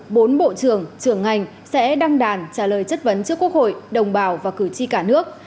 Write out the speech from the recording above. bốn bộ trưởng trưởng ngành sẽ đăng đàn trả lời chất vấn trước quốc hội đồng bào và cử tri cả nước